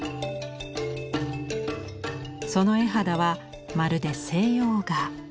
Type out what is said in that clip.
その絵肌はまるで西洋画。